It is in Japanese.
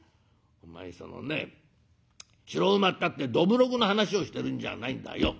「お前そのね白馬ったってどぶろくの話をしてるんじゃないんだよ。